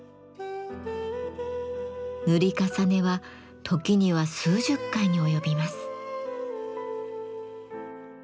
塗り重ねは時には数十回に及びます。